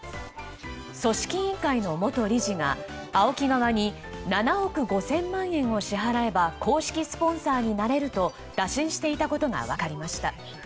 組織委員会の元理事がＡＯＫＩ側に７億５０００万円を支払えば公式スポンサーになれると打診していたことが分かりました。